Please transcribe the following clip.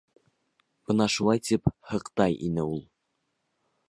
Бына шулай тип һыҡтай ине ул.